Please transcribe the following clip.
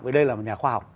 vì đây là một nhà khoa học